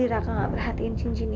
hai tadi raka nggak perhatian cincin ini